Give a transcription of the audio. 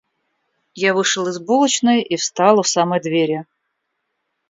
Я вышел из булочной и встал у самой двери.